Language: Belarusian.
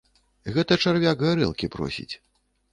Гэта чарвяк гарэлкі просіць.